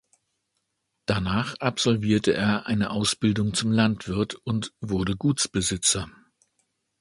Danach absolvierte er eine Ausbildung zum Landwirt und wurde Gutsbesitzer.